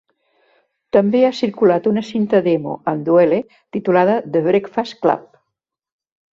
També ha circulat una cinta demo amb Dwele titulada "The Breakfast Club".